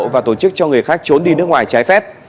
và tổ chức cho người khác trốn đi nước ngoài trái phép